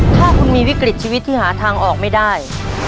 ถ้าคุณมีวิกฤตชีวิตที่หาทางออกไม่ได้